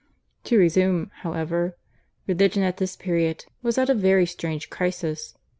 "To resume, however: "Religion at this period was at a very strange crisis.